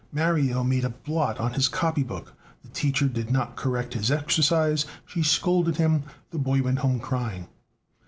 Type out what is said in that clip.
Mario made a blot on his copy book. (The teacher did not correct his exercise; she scolded him. The boy went home crying.)